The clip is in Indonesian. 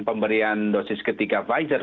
pemberian dosis ketiga pfizer